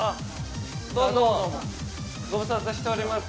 どうもご無沙汰しております。